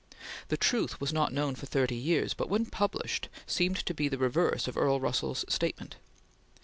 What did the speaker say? The "truth" was not known for thirty years, but when published, seemed to be the reverse of Earl Russell's statement.